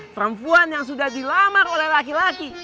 perempuan yang sudah dilamar oleh laki laki